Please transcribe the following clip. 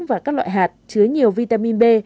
và các loại hạt chứa nhiều vitamin b